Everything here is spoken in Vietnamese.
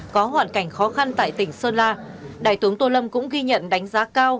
có hoàn cảnh khó khăn tại tỉnh sơn la đại tướng tô lâm cũng ghi nhận đánh giá cao